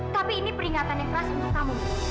tapi ini peringatan yang keras untuk kamu